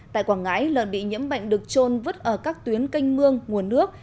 tại quảng ngãi lợn bị nhiễm bệnh được trôn vứt ở các tuyến canh mương nguồn nước